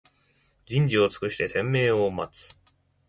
人事を尽くして天命を待つ